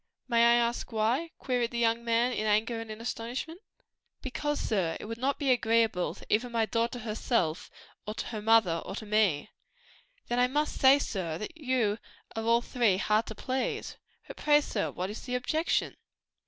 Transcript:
"May I ask why?" queried the young man in anger and astonishment. "Because, sir, it would not be agreeable to either my daughter herself, to her mother or to me." "Then I must say, sir, that you are all three hard to please. But pray, sir, what is the objection?"